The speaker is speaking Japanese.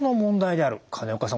金岡さん